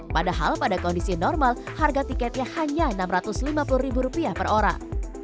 padahal pada kondisi normal harga tiketnya hanya rp enam ratus lima puluh ribu rupiah per orang